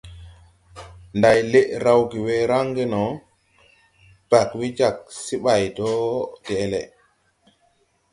Nday lɛʼ rawge we raŋge no, bag we jag se ɓay do de-ɛle.